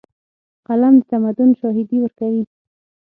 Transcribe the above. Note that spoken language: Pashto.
قلم د تمدن شاهدي ورکوي.